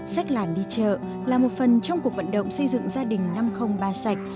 sách làn đi chợ là một phần trong cuộc vận động xây dựng gia đình năm trăm linh ba sạch